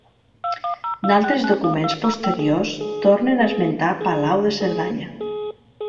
D'altres documents posteriors tornen a esmentar Palau de Cerdanya.